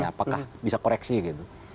apakah bisa koreksi gitu